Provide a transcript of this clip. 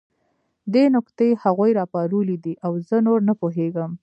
دې نکتې هغوی راپارولي دي او زه نور نه پوهېږم